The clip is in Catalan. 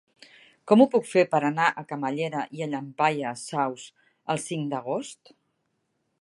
Com ho puc fer per anar a Camallera i Llampaies Saus el cinc d'agost?